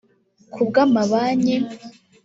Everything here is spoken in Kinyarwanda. Ku bw’amabanki